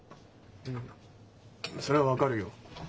うんそれは分かるよ。